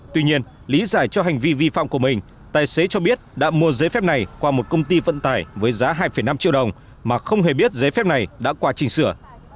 tuy nhiên lý giải cho hành vi vi phạm của mình tài xế cho biết đã mua giấy phép này qua một công ty vận tải với giá hai năm triệu đồng mà không hề biết giấy phép này đã qua chỉnh sửa